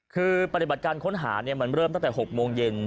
คือปฏิบัติการค้นหามันเริ่มตั้งแต่๖โมงเย็น